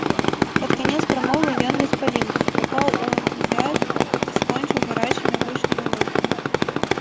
Пад канец прамовы ён распаліўся, упаў у энтузіязм і скончыў гарачымі гучнымі лозунгамі.